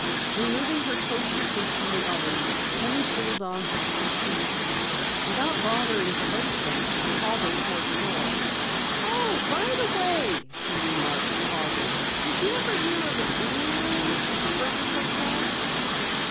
Removing her toasted feet from the oven, Penny pulled on her stiff boots again. Without bothering to lace them, she hobbled toward the door. "Oh, by the way," she remarked, pausing. "Did you ever hear of a Green Room at the Fergus hotel?"